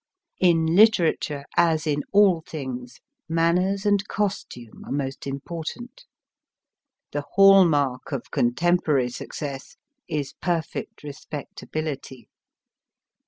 In Literature, as in all things^ manners and costume are most important ; the hall mark of contemporary success is perfect Respectability.